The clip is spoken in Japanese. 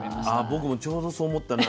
僕もちょうどそう思ったんだ。